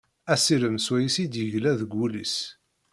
Asirem swayes i d-yegla deg ul-is.